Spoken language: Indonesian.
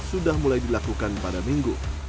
sudah mulai dilakukan pada minggu